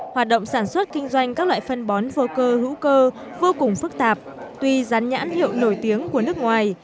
hoạt động sản xuất kinh doanh các loại phân bón vô cơ hữu cơ vô cùng phức tạp tuy rắn nhãn hiệu nổi tiếng của nước ngoài